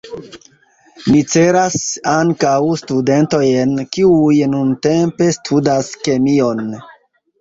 Mi celas ankaŭ studentojn kiuj nuntempe studas kemion.